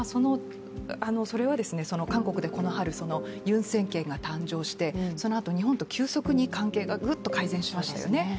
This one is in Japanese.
それは韓国でこの春、ユン政権が誕生して、そのあと日本と急速に関係がグッと改善しましたよね。